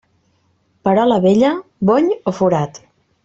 Perola vella, bony o forat.